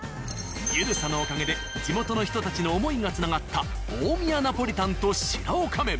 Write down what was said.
ゆるさのおかげで地元の人たちの思いがつながった大宮ナポリタンとシラオカ麺。